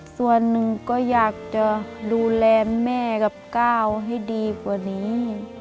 ส่วนหนึ่งก็อยากจะดูแลแม่กับก้าวให้ดีกว่านี้